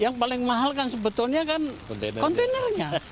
yang paling mahal kan sebetulnya kan kontainernya